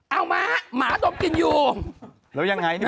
เอามาหมาดมกลิ่นอยู่